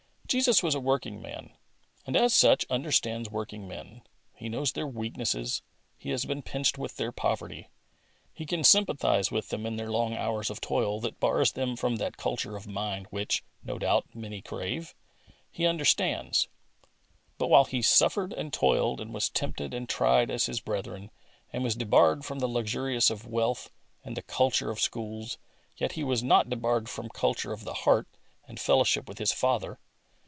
Jesus was a working man, and as such understands working men. He knows their weakness. He has been pinched with their poverty, He can sympathise with them in their long hours of toil that bars them from that culture of mind which, no doubt, many crave. He understands. But while He suffered and toiled and was tempted and tried as His brethren, and was debarred from the luxuries of wealth and the culture of schools, yet He was not debarred from culture of the heart and fellowship with His Father.